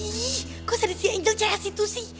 ih kok sadisnya angel cahaya situ sih